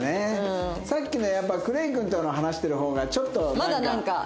さっきのやっぱクレイ君と話してる方がちょっとなんか。